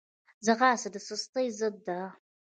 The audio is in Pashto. ځغاسته د سستۍ ضد ده